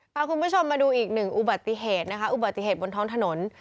พาคุณผู้ชมมาดูอีกหนึ่งอุบัติเหตุนะคะอุบัติเหตุบนท้องถนน